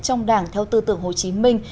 trong đảng theo tư tưởng hồ chí minh